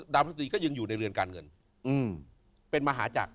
พฤษฎีก็ยังอยู่ในเรือนการเงินเป็นมหาจักร